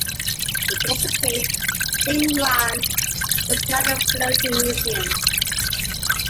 The duplicate "Dingyuan" is now a floating museum.